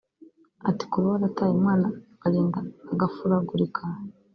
Ati “Kuba warataye umwana akagenda agafuragurika